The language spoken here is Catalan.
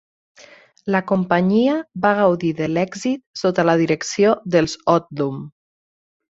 La companyia va gaudir de l'èxit sota la direcció dels Odlum.